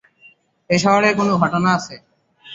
এ শহরের কোন ঘটনা আছে।